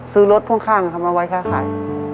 ซื้อรถพ่วงข้างทำเอาไว้ค่าขาย